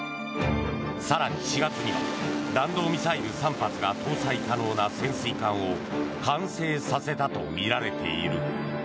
更に４月には弾道ミサイル３発を搭載可能な潜水艦を完成させたとみられている。